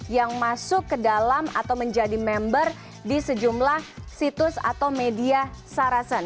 yang masuk ke dalam atau menjadi member di sejumlah situs atau media sarasen